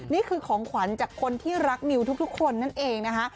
นี่คือของขวัญจากคนที่รักมิวทุกคนนั่นเองนะคะ